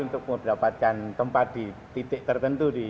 untuk mendapatkan tempat di titik tertentu